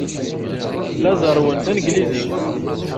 La zerrwen tanglizit.